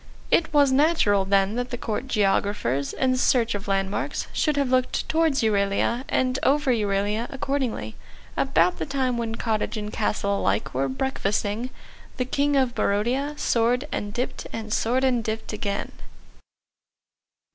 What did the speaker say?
It was natural then that the Court Geographers, in search of landmarks, should have looked towards Euralia; and over Euralia accordingly, about the time when cottage and castle alike were breakfasting, the King of Barodia soared and dipped and soared and dipped again.